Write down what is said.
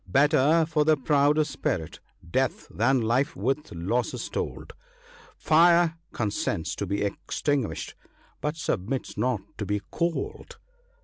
Better for the proud of spirit, death, than life with losses told ; Fire consents to be extinguished, but submits not to be cold."